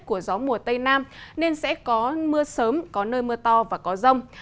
của gió mùa tây nam nên sẽ có mưa sớm có nơi mưa to và có rông